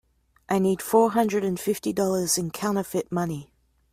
I need four hundred and fifty dollars in counterfeit money.